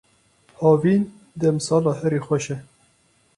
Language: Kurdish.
Havîn demsala herî xweş e.